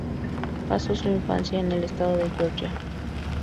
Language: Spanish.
Pasó su infancia en el estado de Georgia.